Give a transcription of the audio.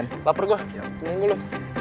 ya pengen gue dulu